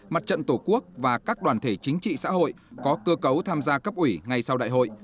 mặt trận tổ quốc và các đoàn thể chính trị xã hội có cơ cấu tham gia cấp ủy ngay sau đại hội